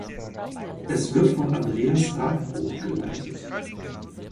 Es wird von Andreas Radbruch geleitet.